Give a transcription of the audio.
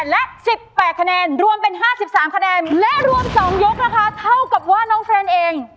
และรวม๒ยกนะคะเท่ากับว่าน้องเฟรนด์เอง